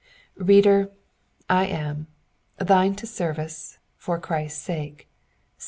Reader, I am. Thine to serve, For Christ's sake.